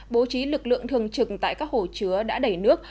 bố trí lực lượng thường trực tại các hồ chứa đã đầy nước